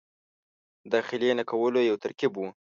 مداخلې نه کولو یو ترکیب وو.